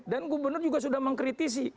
dan gubernur juga sudah mengkritisi